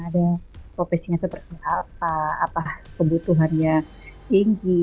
ada profesi seperti apa kebutuhan yang tinggi